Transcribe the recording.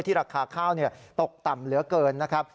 ราคาข้าวตกต่ำเหลือเกินนะครับ